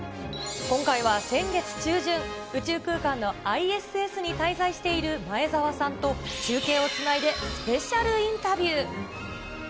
今回は先月中旬、宇宙空間のＩＳＳに滞在している前澤さんと中継をつないで、スペシャルインタビュー。